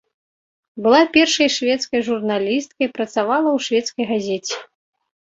Была першай шведскай журналісткай, працавала ў шведскай газеце.